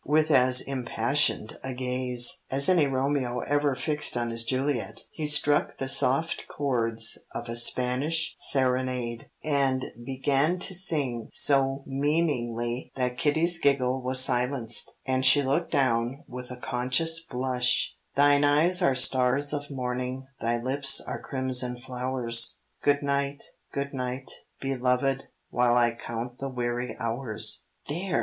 With as impassioned a gaze as any Romeo ever fixed on his Juliet, he struck the soft chords of a Spanish serenade, and began to sing so meaningly that Kitty's giggle was silenced, and she looked down with a conscious blush: "Thine eyes are stars of morning, Thy lips are crimson flowers. Good night, good night, beloved, While I count the weary hours." "There!